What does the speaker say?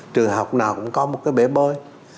trường học nào cũng có một cái bể bơi